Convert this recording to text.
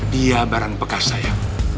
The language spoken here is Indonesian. dia barang bekas saya